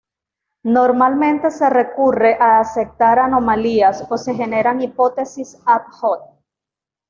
Normalmente se recurre a aceptar anomalías, o se generan hipótesis ad hoc.